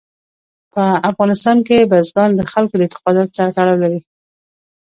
په افغانستان کې بزګان د خلکو د اعتقاداتو سره تړاو لري.